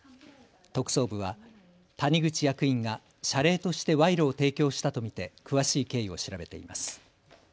特捜部は谷口役員が謝礼として賄賂を提供したと見て詳しい経緯を調べています。